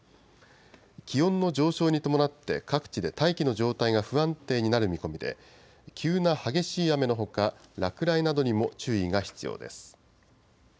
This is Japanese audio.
気温の上昇に伴って各地で大気の状態が不安定になる見込みで、急な激しい雨のほか、落雷などにも注意が必要です。